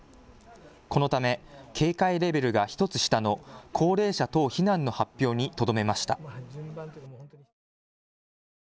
このため警戒レベルが１つ下の高齢者等避難の発表にとどめました。